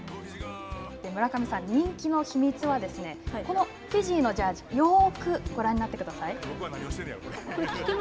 村上さん、人気の秘密は、このフィジーのジャージご覧になってください。